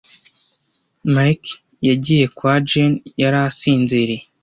Mike yagiye kwa Jane, yari asinziriye.